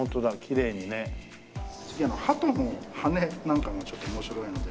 次あのハトの羽根なんかもちょっと面白いので。